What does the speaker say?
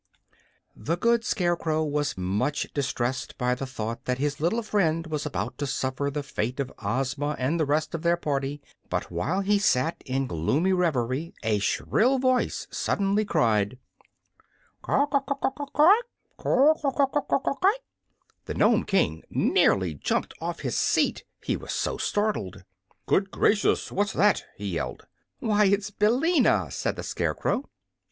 The good Scarecrow was much distressed by the thought that his little friend was about to suffer the fate of Ozma and the rest of their party; but while he sat in gloomy reverie a shrill voice suddenly cried: "Kut, kut, kut ka daw kutt! Kut, kut, kut ka daw kutt!" The Nome King nearly jumped off his seat, he was so startled. "Good gracious! What's that?" he yelled. "Why, it's Billina," said the Scarecrow.